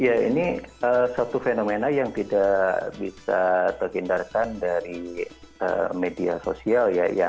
ya ini satu fenomena yang tidak bisa terhindarkan dari media sosial ya